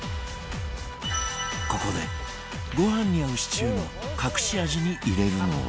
ここでご飯に合うシチューの隠し味に入れるのは